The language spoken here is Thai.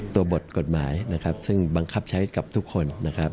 บทกฎหมายนะครับซึ่งบังคับใช้กับทุกคนนะครับ